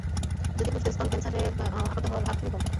যদিও পুরুষদের স্তন ক্যান্সারে আক্রান্ত হওয়ার হার খুবই কম।